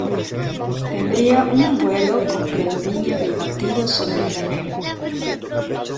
Tendría un vuelo con predominio del batido sobre el planeo.